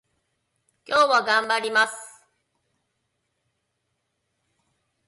今日は頑張ります